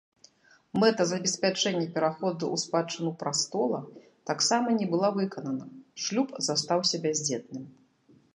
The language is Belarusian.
Мэта забеспячэння пераходу ў спадчыну прастола таксама не была выканана, шлюб застаўся бяздзетным.